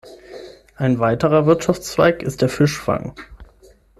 Ein weiterer Wirtschaftszweig ist der Fischfang.